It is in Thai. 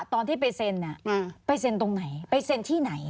ตอนที่ไปเซ็นไปเซ็นตรงไหนไปเซ็นที่ไหน